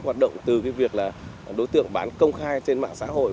hoạt động từ cái việc là đối tượng bán công khai trên mạng xã hội